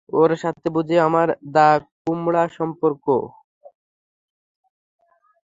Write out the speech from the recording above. ওর সাথে বুঝি আমার দা কুমড়া সম্পর্ক?